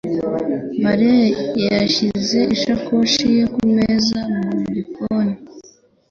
Mariya yashyize isakoshi ye kumeza mu gikoni.